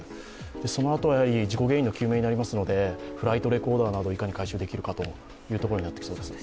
そのあとは事故原因の究明になりますのでフライトレコーダーなどいかに回収できるかというところになってきそうですね。